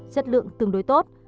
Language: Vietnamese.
chất lượng tương đối tốt